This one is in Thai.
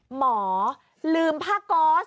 หมอลืมผ้าก๊อศเห้ย